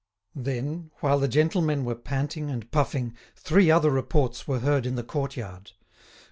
Then, while the gentlemen were panting and puffing, three other reports were heard in the courtyard.